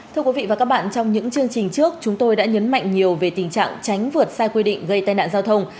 thưa quý vị và các bạn trong những chương trình trước chúng tôi đã nhấn mạnh nhiều về tình trạng tránh vượt sai quy định gây tai nạn giao thông